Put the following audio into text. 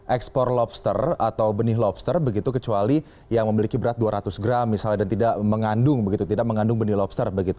ekspor lobster atau benih lobster begitu kecuali yang memiliki berat dua ratus gram misalnya dan tidak mengandung begitu tidak mengandung benih lobster